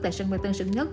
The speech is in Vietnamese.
tại sân bay tân sơn nhất